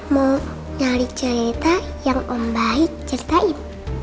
mau cari cerita yang ombahit ceritain